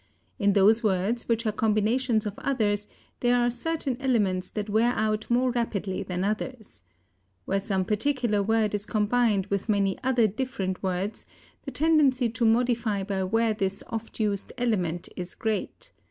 In those words which are combinations of others there are certain elements that wear out more rapidly than others. Where some particular word is combined with many other different words the tendency to modify by wear this oft used element is great.